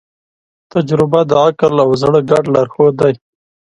تجربه د عقل او زړه ګډ لارښود دی.